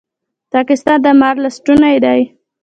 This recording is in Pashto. پاکستان د مار لستوڼی دی